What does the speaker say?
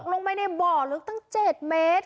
ตกลงมาในเบาะลึกตั้ง๗เมตร